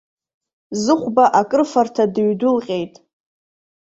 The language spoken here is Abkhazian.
Зыхәба акрыфарҭа дыҩдәылҟьеит.